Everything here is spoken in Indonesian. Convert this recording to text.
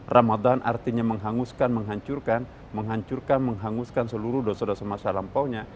ramadan artinya menghanguskan menghancurkan menghancurkan menghanguskan seluruh dosa dosa masa lampaunya